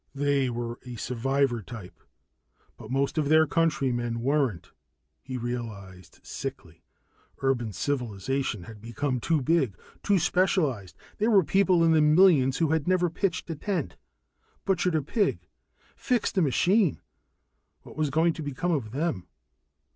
They were a survivor type. But most of their countrymen weren't, he realized sickly. Urban civilization had become too big, too specialized. There were people in the millions who had never pitched a tent, butchered a pig, fixed a machine. What was going to become of them?